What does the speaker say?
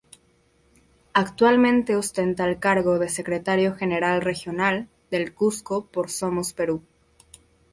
Actualmente ostenta el cargo de Secretario General Regional del Cusco por Somos Perú.